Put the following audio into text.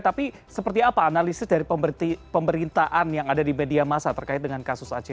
tapi seperti apa analisis dari pemerintahan yang ada di media masa terkait dengan kasus aceh